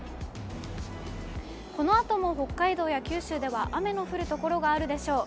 このあとも北海道や九州では雨の降る所があるでしょう。